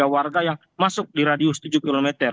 sembilan delapan puluh tiga warga yang masuk di radius tujuh km